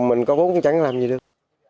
mình có vốn chẳng làm gì được